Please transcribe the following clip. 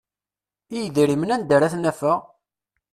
I yidrimen anda ara t-nafeɣ?